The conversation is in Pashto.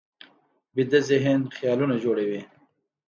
ویده ذهن خیالونه جوړوي